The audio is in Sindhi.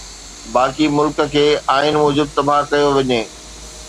باقي ملڪ کي آئين موجب تباهه ڪيو وڃي